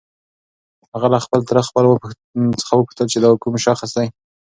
هغه له خپل تره څخه وپوښتل چې دا کوم شخص دی؟